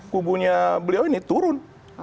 kubunya beliau ini turun